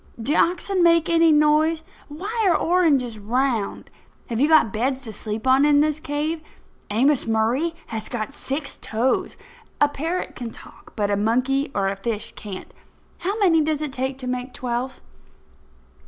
Do oxen make any noise? Why are oranges round? Have you got beds to sleep on in this cave? Amos Murray has got six toes. A parrot can talk, but a monkey or a fish can't. How many does it take to make twelve?"